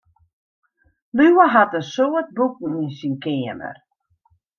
Liuwe hat in soad boeken yn syn keamer.